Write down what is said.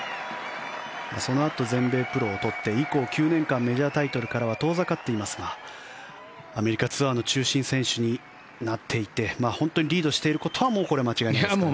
そのあと全米プロを取って以降９年間メジャータイトルからは遠ざかっていますがアメリカツアーの中心選手になっていって本当にリードしていることは間違いないですからね。